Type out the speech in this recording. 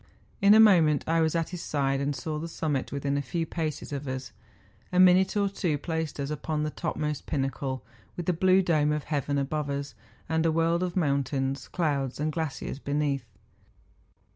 In a moment I was at his side, and saw the summit within a few paces of us. A minute or two placed us upon the topmost pinnacle, with the blue dome of heaven above us, and a world of mountains, clouds, and glaciers beneath.